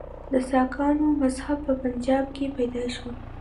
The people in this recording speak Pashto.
د سکانو مذهب په پنجاب کې پیدا شو.